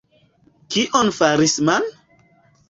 Kion faris Man?